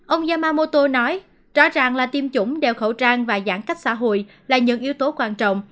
ông yamamoto nói rõ ràng là tiêm chủng đeo khẩu trang và giãn cách xã hội là những yếu tố quan trọng